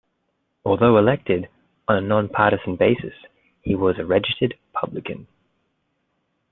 Although elected on a non-partisan basis, he was a registered Republican.